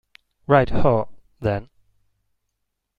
Right ho, then.